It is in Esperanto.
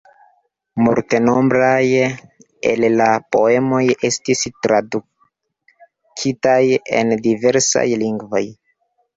Multenombraj el la poemoj estis tradukitaj en diversaj lingvoj.